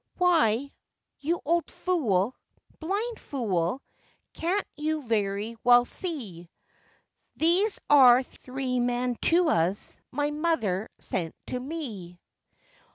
'Why, you old fool! blind fool! can't you very well see, These are three mantuas my mother sent to me?